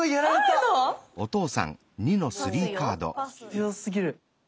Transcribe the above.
強すぎる。